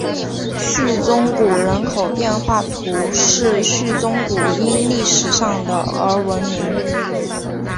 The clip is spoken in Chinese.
叙宗谷人口变化图示叙宗谷因历史上的而闻名。